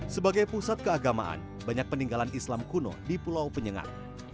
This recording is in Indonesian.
sebagai pusat keagamaan banyak peninggalan islam kuno di pulau penyengat